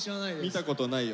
見たことないよね。